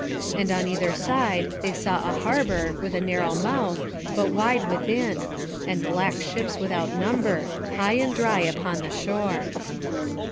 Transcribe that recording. And on either side they saw a harbour, with a narrow mouth, but wide within; and black ships without number, high and dry upon the shore.